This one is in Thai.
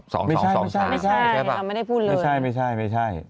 สองสองสองสามไม่ใช่ไม่ใช่ไม่ใช่ไม่ใช่ไม่ใช่ไม่ใช่